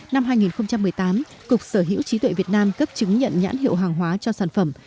năm hai nghìn một mươi tám cục sở hữu trí tuệ việt nam cấp chứng nhận nhãn hiệu hàng hóa cho sản phẩm